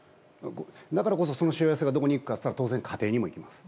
だからこそしわ寄せがどこに行くかと言ったら家庭にもいきます。